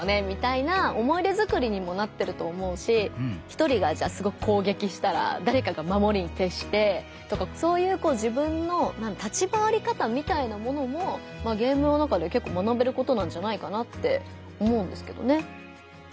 みたいな思い出づくりにもなってると思うし１人がじゃあすごく攻撃したらだれかがまもりにてっしてとかそういうこう自分の立ち回り方みたいなものもゲームの中で結構学べることなんじゃないかなって思うんですけどね。